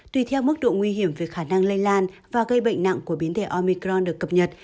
tùy theo mức độ nguy hiểm về khả năng lây lan và gây bệnh nặng của biến thể omicron được cập nhật